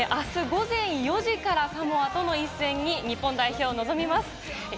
それを見あす午前４時からサモアとの一戦に日本代表は臨みます。